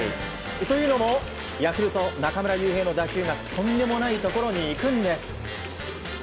というのもヤクルト、中村悠平の打球がとんでもないところにいくんです。